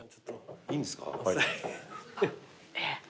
いいんですか？